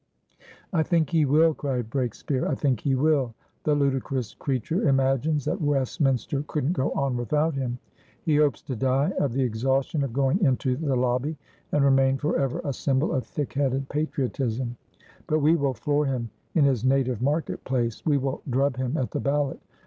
"I think he will," cried Breakspeare, "I think he will. The ludicrous creature imagines that Westminster couldn't go on without him. He hopes to die of the exhaustion of going into the lobby, and remain for ever a symbol of thick headed patriotism. But we will floor him in his native market place. We will drub him at the ballot.